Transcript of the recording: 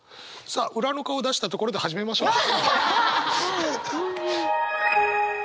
さあ裏の顔出したところで始めましょう。